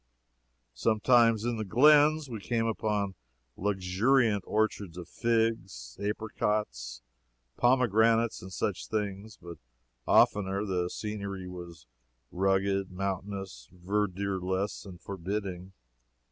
Sometimes, in the glens, we came upon luxuriant orchards of figs, apricots, pomegranates, and such things, but oftener the scenery was rugged, mountainous, verdureless and forbidding.